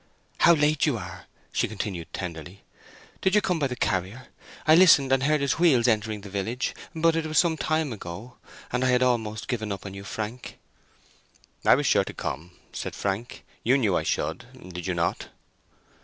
"How late you are," she continued, tenderly. "Did you come by the carrier? I listened and heard his wheels entering the village, but it was some time ago, and I had almost given you up, Frank." "I was sure to come," said Frank. "You knew I should, did you not?"